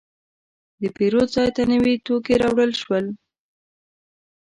د پیرود ځای ته نوي توکي راوړل شول.